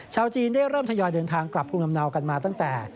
ชาวจีนได้เริ่มทยอยเดินทางกลับภูมิลำเนากันมาตั้งแต่